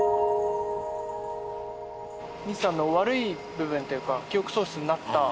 西さんの悪い部分っていうか記憶喪失になった。